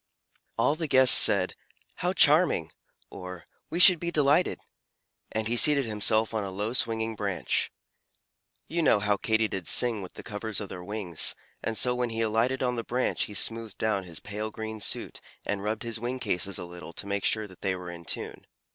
All the guests said, "How charming!" or, "We should be delighted!" and he seated himself on a low swinging branch. You know Katydids sing with the covers of their wings, and so when he alighted on the branch he smoothed down his pale green suit and rubbed his wing cases a little to make sure that they were in tune.